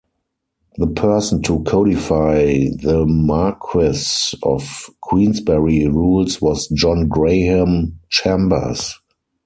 The person to codify the Marquess of Queensberry Rules was John Graham Chambers.